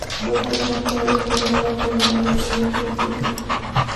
Dos años más tarde, fue nombrado permanentemente en el puesto.